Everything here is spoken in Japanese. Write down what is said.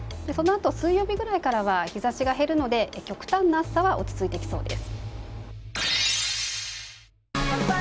水曜日くらいからは日差しが減るので極端な暑さは落ち着いてきそうです。